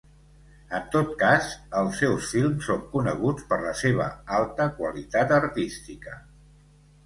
En tot cas, els seus films són coneguts per la seva alta qualitat artística.